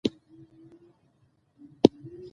دریابونه د افغانستان د هیوادوالو لپاره ویاړ دی.